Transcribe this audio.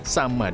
sama dengan dpr